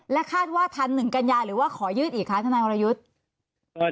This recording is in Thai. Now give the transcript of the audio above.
แล้วคาดว่าถัน๑กันยาหรือว่าขอยืดอีกคะท่านอารยุทธ์